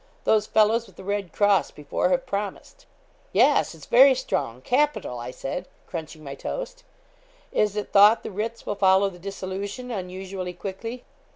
Those fellows with the red cross before have promised.' 'Yes; it's very strong capital!' I said, crunching my toast. 'Is it thought the writs will follow the dissolution unusually quickly?'